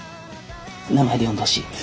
名前で呼んでほしい。